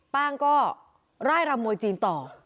ป้างก็ไล่รำมวยจีนต่อ